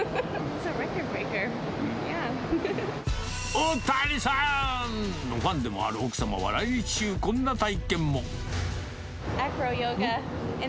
大谷さーんのファンでもある奥様は、来日中、こんな体験も。